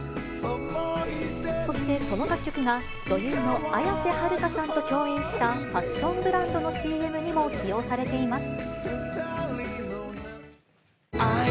そしてその楽曲が、女優の綾瀬はるかさんと共演したファッションブランドのＣＭにも起用されています。